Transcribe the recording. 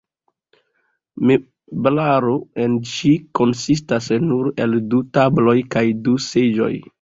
Meblaro en ĝi konsistas nur el du tabloj kaj du seĝoj.